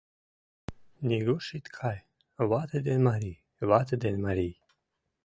Нигуш ит кай, вате ден марий, вате ден марий.